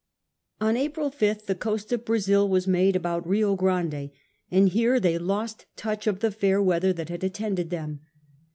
On April 5th the coast of Brazil was made about Rio Grande, and here they lost touch of the fair weather that had attended them.